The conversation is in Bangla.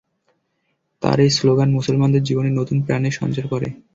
তাঁর এই শ্লোগান মুসলমানদের জীবনে নতুন প্রাণের সঞ্চার করে।